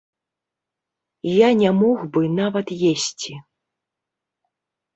Я не мог бы нават есці.